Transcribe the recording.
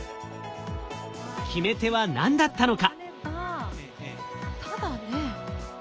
決め手は何だったのか？